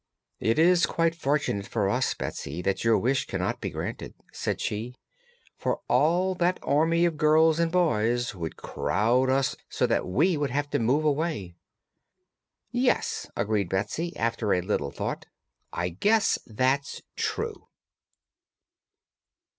"It is quite fortunate for us, Betsy, that your wish cannot be granted," said she, "for all that army of girls and boys would crowd us so that we would have to move away." "Yes," agreed Betsy, after a little thought, "I guess that's true."